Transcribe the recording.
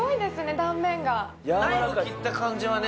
断面がナイフ切った感じはね